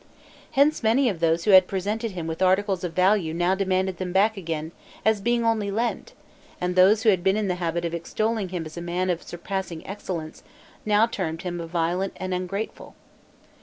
Hence many of those who had presented him with articles of value now demanded them back again, as being only lent; and those who had been in the habit of extolling him as a man of surpassing excellence, now termed him violent and ungrateful.